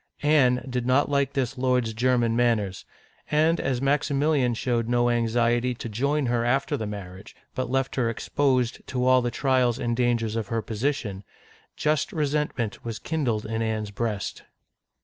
Anne did not like this lord's German manners ; and as Maximilian showed no anxiety to join her after the marriage, but left her exposed to all the trials and dangers of her position, just resentment was kindled in Anne's breast.